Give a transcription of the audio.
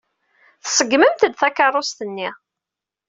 Tṣeggmemt-d takeṛṛust-nni.